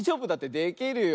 できるよ。